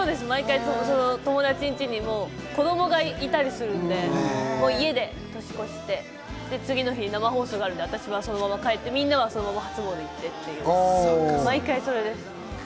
毎回、友達んちに子供がいたりするので家で年越して次の日、生放送があるので、私はそのまま帰って、みんなはそのまま初詣に行ってっていう、毎回それです。